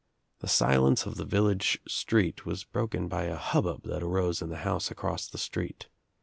The silence of the village street was broken by a hubbub that arose in the house across the street.